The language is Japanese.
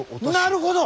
なるほど！